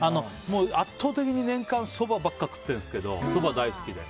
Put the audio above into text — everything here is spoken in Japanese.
圧倒的に年間そばばっかり食ってるんですけどそばが大好きで。